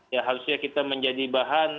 ya harusnya kita menjadi bahan